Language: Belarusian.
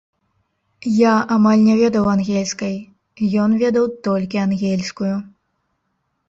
Я амаль не ведаў ангельскай, ён ведаў толькі ангельскую.